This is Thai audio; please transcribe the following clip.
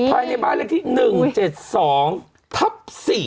ภายในบ้านเลขที่๑๗๒ทับ๔